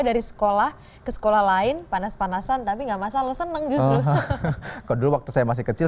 dari sekolah ke sekolah lain panas panasan tapi enggak masalah seneng justru kalau dulu waktu saya masih kecil